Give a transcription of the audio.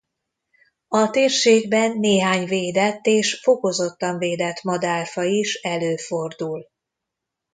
A térségben néhány védett és fokozottan védett madárfaj is előfordul.